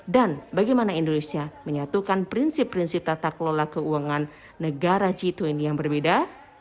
bagaimana indonesia menyatukan prinsip prinsip tata kelola keuangan negara g dua puluh yang berbeda